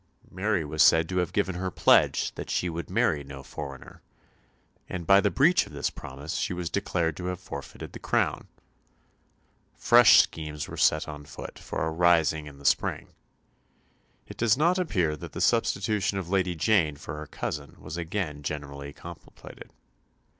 Mary was said to have given her pledge that she would marry no foreigner, and by the breach of this promise she was declared to have forfeited the crown. Fresh schemes were set on foot for a rising in the spring. It does not appear that the substitution of Lady Jane for her cousin was again generally contemplated.